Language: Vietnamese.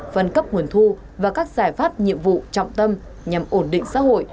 phân cấp nguồn thu và các giải pháp nhiệm vụ trọng tâm nhằm ổn định xã hội